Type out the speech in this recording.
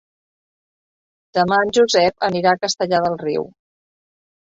Demà en Josep anirà a Castellar del Riu.